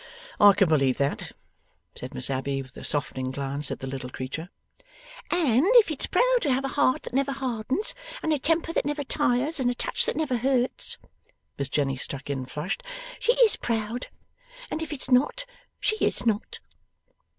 'I can believe that,' said Miss Abbey, with a softening glance at the little creature. 'And if it's proud to have a heart that never hardens, and a temper that never tires, and a touch that never hurts,' Miss Jenny struck in, flushed, 'she is proud. And if it's not, she is NOT.